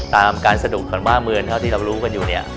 การสะดุดของบ้านเมืองเท่าที่เรารู้กันอยู่เนี่ย